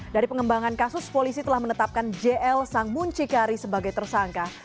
dari pengembangan kasus polisi telah menetapkan jl sang muncikari sebagai tersangka